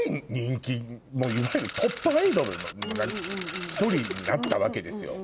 いわゆるトップアイドルの一人になったわけですよ。